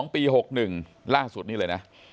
ปี๖๑ล่าสุดนี่เลยนะ